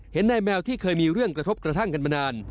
นายแมวที่เคยมีเรื่องกระทบกระทั่งกันมานาน